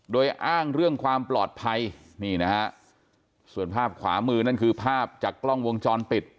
โดยอ้างเรื่องความปลอดภัยนี่นะฮะส่วนภาพขวามือนั่นคือภาพจากกล้องวงจรปิด